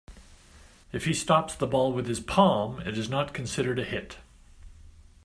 If he stops the ball with his palm, it is not considered a hit.